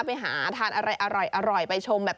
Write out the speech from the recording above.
ไปหาทานอะไรอร่อยไปชมแบบ